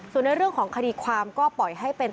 ส่วนในเรื่องของคดีความก็ปล่อยให้เป็น